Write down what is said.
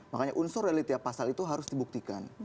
makanya unsur dari tiap pasal itu harus dibuktikan